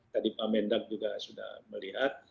tadi pak mendak juga sudah melihat